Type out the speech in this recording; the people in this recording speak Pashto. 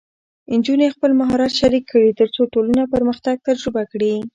نجونې خپل مهارت شریک کړي، ترڅو ټولنه پرمختګ تجربه کړي.